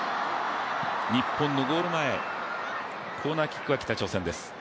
日本のゴール前、コーナーキックは北朝鮮です。